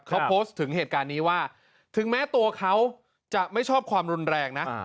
เขาโพสต์ถึงเหตุการณ์นี้ว่าถึงแม้ตัวเขาจะไม่ชอบความรุนแรงนะ